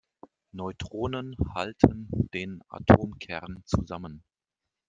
Neutronen halten den Atomkern zusammen.